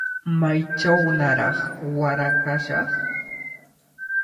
Maychawnaraq wara kashaq.